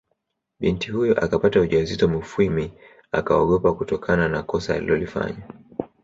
Binti huyo akapata ujauzito Mufwimi akaogopa kutokana na kosa alilolifanya